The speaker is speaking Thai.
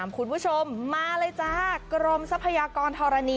คุณผู้ชมมาเลยจ้ากรมทรัพยากรธรณี